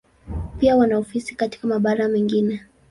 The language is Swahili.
Pia wana ofisi katika mabara mengine.